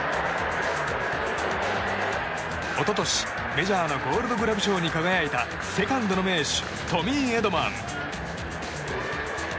一昨年、メジャーのゴールドグラブ賞に輝いたセカンドの名手トミー・エドマン。